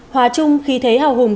hòa trung khi thế hào hùng